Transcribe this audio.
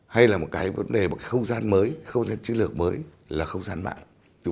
hay là một cái vấn đề một không gian mới không gian chiến lược mới là không gian mạng